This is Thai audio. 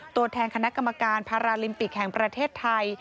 ตัวแทนคณะกรรมการพาราลิมปิกแห่งประเทศไทย